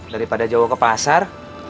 dari jawa ke pasar